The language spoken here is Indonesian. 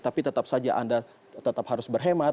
tapi tetap saja anda tetap harus berhemat